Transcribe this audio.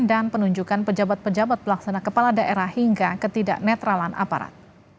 dan penunjukkan pejabat pejabat pelaksana kepala daerah hingga ketidaknetralan aparat